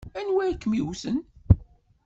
Anwa ay kem-iwten?